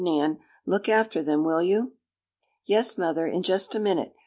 Nan, look after them; will you?" "Yes, mother, in just a minute.